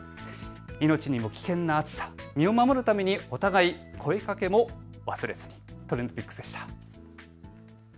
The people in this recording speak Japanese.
命にも危険な暑さ、身を守るためにお互い声かけも忘れずにＴｒｅｎｄＰｉｃｋｓでした。